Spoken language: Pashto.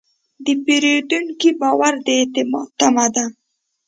د پیرودونکي باور د اعتماد تمه ده.